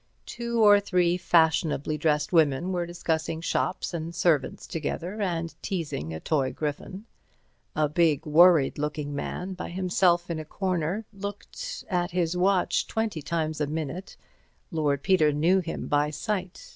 Two or three fashionably dressed women were discussing shops and servants together, and teasing a toy griffon. A big, worried looking man by himself in a corner looked at his watch twenty times a minute. Lord Peter knew him by sight.